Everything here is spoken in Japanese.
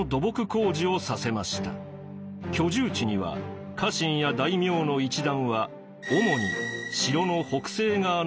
居住地には家臣や大名の一団は主に城の北西側の高台が。